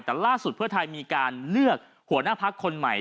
แต่ล่าสุดเพื่อไทยมีการเลือกหัวหน้าพักคนใหม่